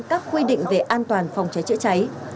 các quy định về an toàn phòng cháy chữa cháy